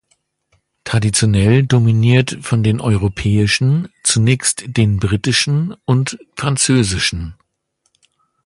Traditionell dominiert von den europäischen, zunächst den britischen und französischen.